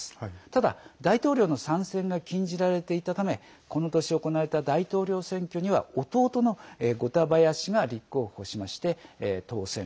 ただ、大統領の三選が禁じられていたためこの年行われた大統領選挙には弟のゴタバヤ氏が立候補しまして当選。